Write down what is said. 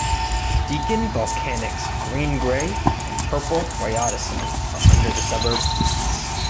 Deakin Volcanics green-grey and purple rhyodacite are under the suburb.